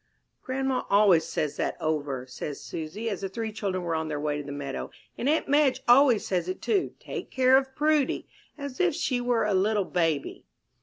"Grandma always says that over," said Susy, as the three children were on their way to the meadow; "and aunt Madge always says it too 'take care of Prudy!' As if she were a little baby."